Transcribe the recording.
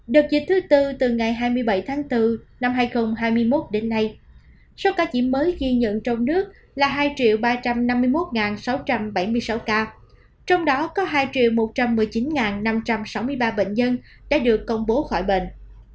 đợt dịch thứ tư từ ngày hai mươi bảy tháng bốn năm hai nghìn hai mươi một đến nay số ca nhiễm mới ghi nhận trong nước là hai ba trăm năm mươi một sáu trăm bảy mươi sáu ca trong đó có hai một trăm một mươi chín năm trăm sáu mươi ba bệnh nhân đã được công bố khỏi bệnh